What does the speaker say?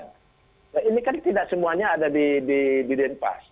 nah ini kan tidak semuanya ada di denpas